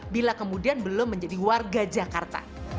bila kemudian belum menjadi warga jakarta